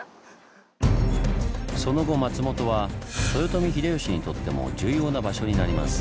その後松本は豊臣秀吉にとっても重要な場所になります。